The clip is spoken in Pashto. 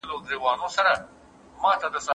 زه په خوني کي کمپيوټر سموم.